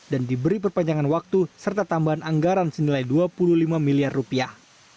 dan diberi perpanjangan waktu serta tambahan anggaran senilai dua puluh lima miliar rupiah